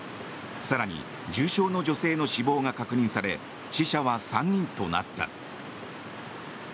更に重傷の女性の死亡が確認され死者は３人となった。